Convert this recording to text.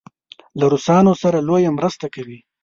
له روسانو سره لویه مرسته کوي.